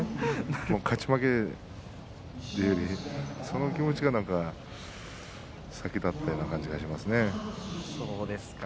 勝ち負けよりも、その気持ちが先だったような感じがしますね。